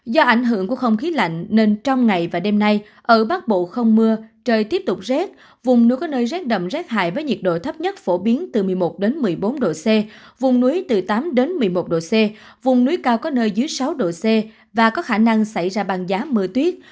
do ảnh hưởng của không khí lạnh nên trong ngày và đêm nay ở bắc bộ không mưa trời tiếp tục rét vùng núi có nơi rét đậm rét hại với nhiệt độ thấp nhất phổ biến từ một mươi một một mươi bốn độ c vùng núi từ tám đến một mươi một độ c vùng núi cao có nơi dưới sáu độ c và có khả năng xảy ra băng giá mưa tuyết